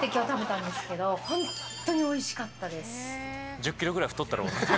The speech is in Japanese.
１０ｋｇぐらい太ったろうな。